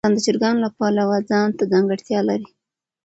افغانستان د چرګانو له پلوه ځانته ځانګړتیا لري.